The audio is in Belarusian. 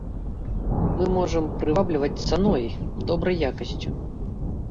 Мы можам прывабліваць цаной, добрай якасцю!